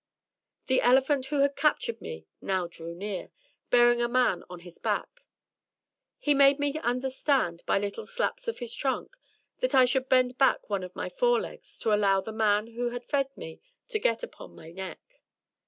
The elephant who had captured me now drew near, bearing a man on his back; he made me understand by little slaps of his trunk that I should bend back one of my fore legs to allow the man who had fed me to get upon my neck.